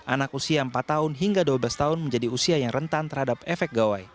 anak usia empat tahun hingga dua belas tahun menjadi usia yang rentan terhadap efek gawai